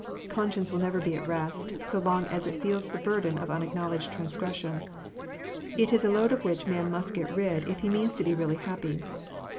Conscience will never be at rest, so long as it feels the burden of unacknow ledged transgression. It is a load of which man must get rid if he means to be really happy.